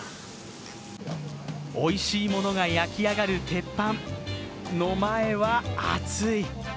おいしいものが焼き上がる鉄板の前はあつい。